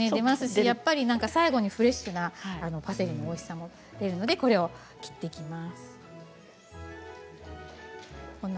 最後にフレッシュなパセリのおいしさも出るのでこれを切っていきます。